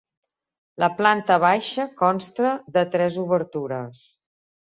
La planta baixa consta de tres obertures.